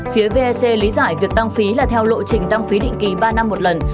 phía vec lý giải việc tăng phí là theo lộ trình tăng phí định kỳ ba năm một lần